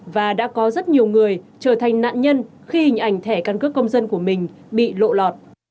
và đã có rất nhiều người trở thành nạn nhân khi hình ảnh thẻ căn cước công dân của mình bị lộ lọt